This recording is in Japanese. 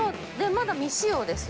まだ未使用です。